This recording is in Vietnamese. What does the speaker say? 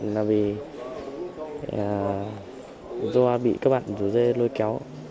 là vì do bị các bạn dối dây lôi kéo